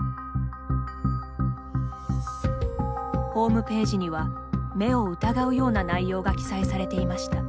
ホームページには目を疑うような内容が記載されていました。